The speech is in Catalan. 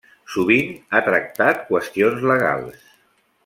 Sovint ha tractat qüestions legals.